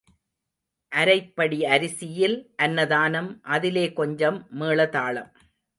அரைப்படி அரிசியில் அன்னதானம் அதிலே கொஞ்சம் மேளதாளம்.